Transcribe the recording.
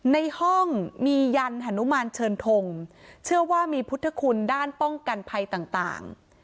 ในห้องมียันฮนุมานเชิญทงเชื่อว่ามีพุทธคุณด้านป้องกันภัยต่าง